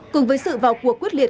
cùng với sự vào cuộc quyết liệt